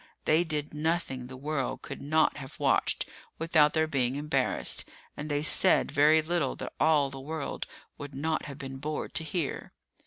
They did nothing the world could not have watched without their being embarrassed, and they said very little that all the world would not have been bored to hear.